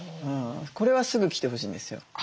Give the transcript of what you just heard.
これはすぐ来てほしいんですよ。